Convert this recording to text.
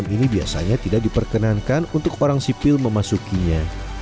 jadi ini adalah perusahaan yang tidak diperkenankan untuk orang sipil memasukinya